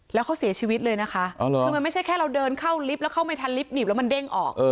แล้วเขาเสียชีวิตเลยนะคะคือมันไม่ใช่แค่เราเดินเข้าลิฟต์แล้วเข้าไม่ทันลิฟต์หนีบแล้วมันเด้งออก